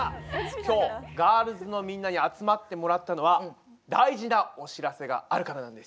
今日ガールズのみんなに集まってもらったのは大事なお知らせがあるからなんです！